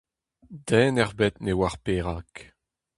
Den ebet ne oar perak.